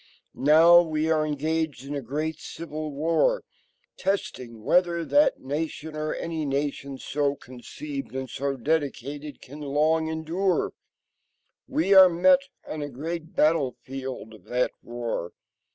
Now we are engaged in a great civil war. . .testing whether that nation, or any nation so conceived and so dedicated. .. can long endure. We are met on a great battlefield of that war.